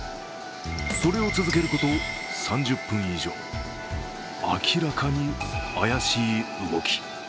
それを続けること３０分以上明らかに怪しい動き。